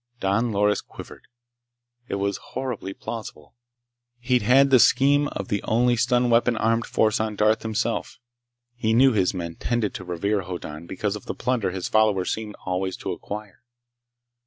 Don Loris quivered. It was horribly plausible. He'd had the scheme of the only stun weapon armed force on Darth, himself. He knew his men tended to revere Hoddan because of the plunder his followers seemed always to acquire.